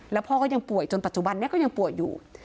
แล้วพ่อก็ยังป่วยจนปัจจุบันนี้ก็ยังป่วยอยู่